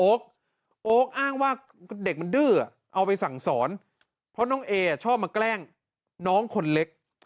โอ๊คอ้างว่าเด็กมันดื้อเอาไปสั่งสอนเพราะน้องเอชอบมาแกล้งน้องคนเล็ก